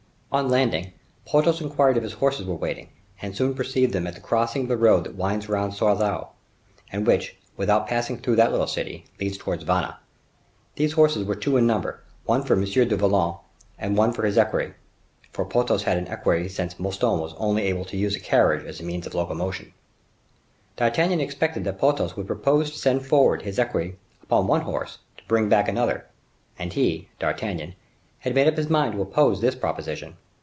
On landing, Porthos inquired if his horses were waiting and soon perceived them at the crossing of the road that winds round Sarzeau, and which, without passing through that little city, leads towards Vannes. These horses were two in number, one for M. de Vallon, and one for his equerry; for Porthos had an equerry since Mouston was only able to use a carriage as a means of locomotion. D'Artagnan expected that Porthos would propose to send forward his equerry upon one horse to bring back another, and he—D'Artagnan—had made up his mind to oppose this proposition.